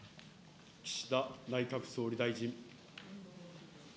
岸田内閣総理大臣。